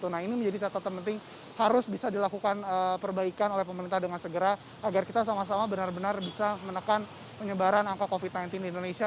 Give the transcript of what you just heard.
nah ini menjadi catatan penting harus bisa dilakukan perbaikan oleh pemerintah dengan segera agar kita sama sama benar benar bisa menekan penyebaran angka covid sembilan belas di indonesia